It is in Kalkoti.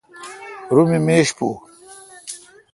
رو می میش پو۔